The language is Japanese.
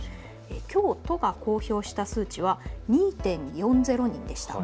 きょう都が公表した数値は２．４０人でした。